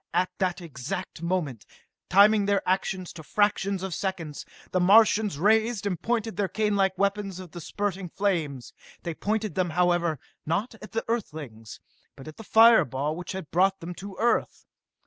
At that exact moment, timing their actions to fractions of seconds, the Martians raised and pointed their canelike weapons of the spurting flames. They pointed them, however, not at the Earthlings, but at the fire ball which had brought them to Earth!